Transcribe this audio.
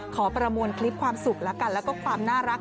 ขอประมวลคลิปความสุขแล้วกันแล้วก็ความน่ารัก